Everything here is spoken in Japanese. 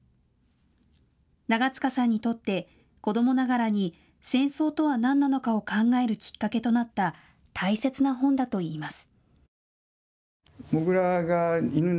長塚さんにとって子どもながらに戦争とは何なのかを考えるきっかけとなった大切な本だといいます。